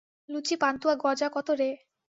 লুচি, পানতুয়া, গজা-কত রে!